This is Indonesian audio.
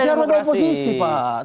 nggak ada demokrasi apa ada oposisi pak